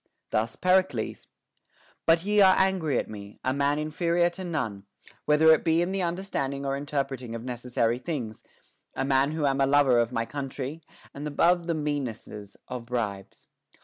Thus Pericles : But ye are angry at me, a man inferior to none, whether it be in the understand ing or interpreting of necessary things ; a man who am a lover of my country, and above the meannesses of bribes.